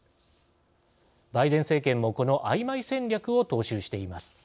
バイデン政権もこのあいまい戦略を踏襲しています。